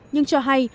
nhưng cho hay